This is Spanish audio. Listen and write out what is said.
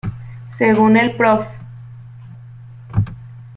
Según el prof.